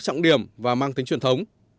trọng điểm và mang tính truyền thống